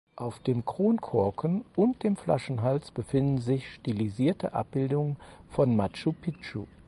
Auf dem Kronkorken und dem Flaschenhals befinden sich stilisierte Abbildungen von Machu Picchu.